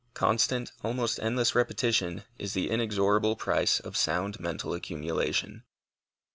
Constant, almost endless repetition is the inexorable price of sound mental accumulation.